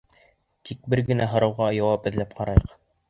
Тик бер генә һорауға яуап эҙләп ҡарайыҡ.